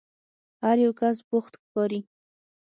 هر یو کس بوخت ښکاري.